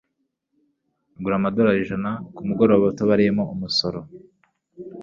Igura amadorari ijana kumugoroba utabariyemo umusoro